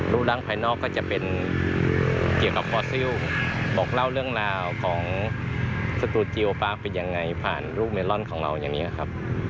รูปร่างภายนอกก็จะเป็นเกี่ยวกับฟอสซิลบอกเล่าเรื่องราวของสตูจีโอปาร์คเป็นยังไงผ่านลูกเมลอนของเราอย่างนี้ครับ